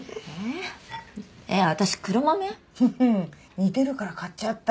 似てるから買っちゃった。